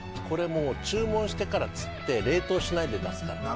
注文してから釣って冷凍しないで出すから。